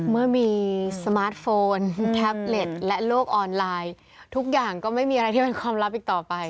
เมื่อมีสมาร์ทโฟนแท็บเล็ตและโลกออนไลน์ทุกอย่างก็ไม่มีอะไรที่เป็นความลับอีกต่อไป